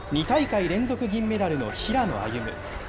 ２大会連続銀メダルの平野歩夢。